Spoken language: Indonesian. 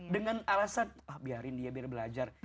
dengan alasan ah biarin dia biar belajar